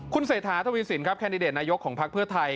คุณเศรษฐาทวีสินครับแคนดิเดตนายกของพักเพื่อไทย